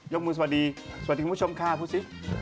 มือสวัสดีสวัสดีคุณผู้ชมค่ะดูสิ